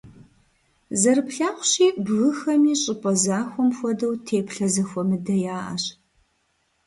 Зэрыплъагъущи, бгыхэми, щӀыпӀэ захуэм хуэдэу, теплъэ зэхуэмыдэ яӀэщ.